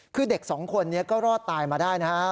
คือเด็ก๒คนก็รอดตายมาได้นะคะ